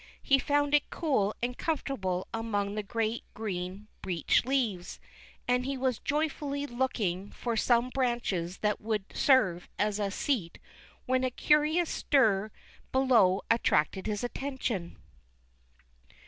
He found it cool and comfortable among the great green beech leaves, and he was joyfully look ing for some branches that would serve as a seat when a curious stir below attracted his attention.